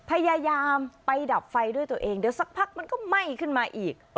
พยายามไปดับไฟด้วยตัวเองเดี๋ยวสักพักมันก็ไหม้ขึ้นมาอีก